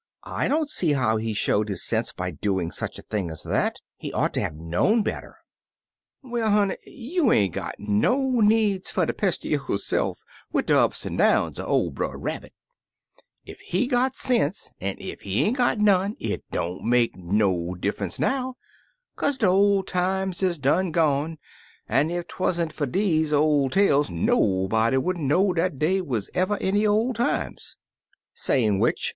I don't see how he showed his sense by doing such a thing as that. He ought to have known better/' "Well, honey, you ain't got no needs fer ter pester yo'se'f wid de ups an' downs er ol' Brer Rabbit, Ef he got sense, er ef he ain't got none, it don't make no diffunce now, kaze de ol' times is done gone, an' ef 'twa'n't fer deze ol' tales nobody would n't know dat dey y'ever wuz any ol' times," Saying which.